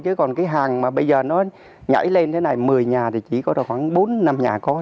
chứ còn cái hàng mà bây giờ nó nhảy lên thế này một mươi nhà thì chỉ có được khoảng bốn năm nhà có